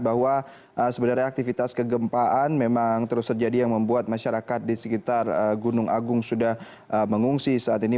bahwa sebenarnya aktivitas kegempaan memang terus terjadi yang membuat masyarakat di sekitar gunung agung sudah mengungsi saat ini